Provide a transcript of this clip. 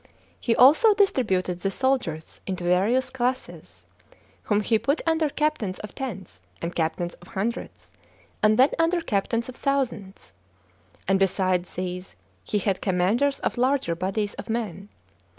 He also distributed the soldiers into various classes, whom he put under captains of tens, and captains of hundreds, and then under captains of thousands; and besides these, he had commanders of larger bodies of men.